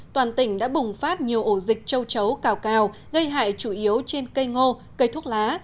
toàn tỉnh đã bùng phát nhiều ổ dịch châu chấu cào cào gây hại chủ yếu trên cây ngô cây thuốc lá